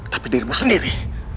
tapi dirimu sendiri